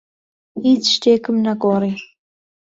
هیچ شتێکم نەگۆڕی.